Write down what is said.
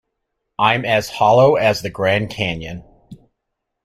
I'm as hollow as the Grand Canyon.